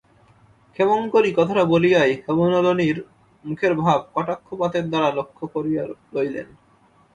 ক্ষেমংকরী কথাটা বলিয়াই হেমনলিনীর মুখের ভাব কটাক্ষপাতের দ্বারা লক্ষ্য করিয়া লইলেন।